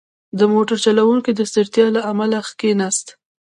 • د موټر چلوونکی د ستړیا له امله کښېناست.